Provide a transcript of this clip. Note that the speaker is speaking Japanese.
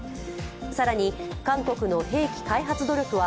更に韓国の兵器開発努力は